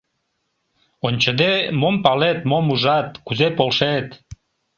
Ончыде, мом палет, мом ужат, кузе полшет?